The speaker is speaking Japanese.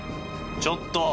ちょっと！